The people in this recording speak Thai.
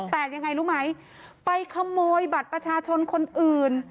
แต่ยังไงรู้ไหมไปขโมยบัตรประชาชนคนอื่น